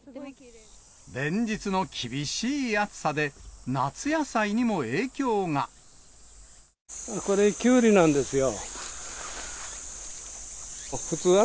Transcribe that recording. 連日の厳しい暑さで、夏野菜これ、キュウリなんですよ。